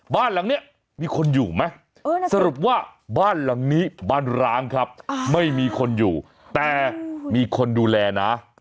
บ้านหลังนี้มีคนอยู่ไหมสรุปว่าบ้านหลังนี้บ้านร้างครับไม่มีคนอยู่แต่มีคนดูแลนะ